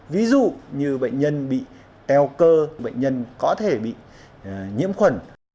ví dụ như bệnh nhân bị eo cơ bệnh nhân có thể bị nhiễm khuẩn